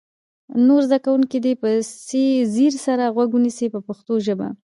نور زده کوونکي دې په ځیر سره غوږ ونیسي په پښتو ژبه.